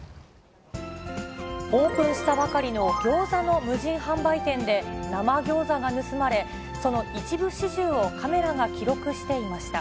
オープンしたばかりのギョーザの無人販売店で生ギョーザが盗まれ、その一部始終をカメラが記